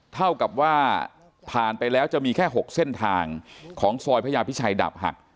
เท่ากับว่าผ่านไปแล้วจะมีแค่๖เส้นทางของซอยพระยาพิชัยดาบหัก